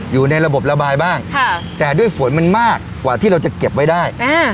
อยู่ในระบบระบายบ้างแต่ด้วยฝนมันมากกว่าที่เราจะเก็บไว้ได้